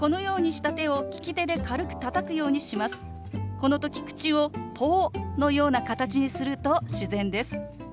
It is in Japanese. この時口を「ポー」のような形にすると自然です。